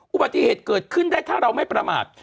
อุบัติเหตุเกิดขึ้นได้ถ้าเราไม่ประมาท